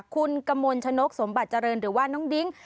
คุณกมลชนกสมบัติเจริญหรือว่าน้องดิ้ง